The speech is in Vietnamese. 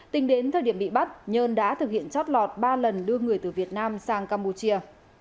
tính đến thời điểm bị bắt nhơn đã thực hiện chót lọt ba lần đưa người từ việt nam sang campuchia